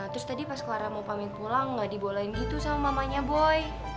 terus tadi pas keluar mau pamit pulang gak dibolehin gitu sama mamanya boy